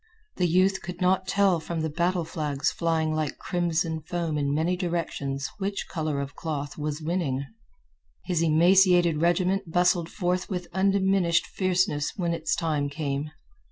The youth could not tell from the battle flags flying like crimson foam in many directions which color of cloth was winning. His emaciated regiment bustled forth with undiminished fierceness when its time came.